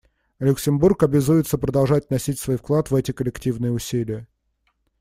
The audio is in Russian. Люксембург обязуется продолжать вносить свой вклад в эти коллективные усилия.